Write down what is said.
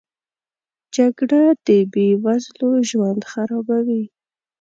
جګړه د بې وزلو ژوند خرابوي